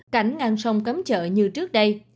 cảnh ngang sông cấm chợ như trước đây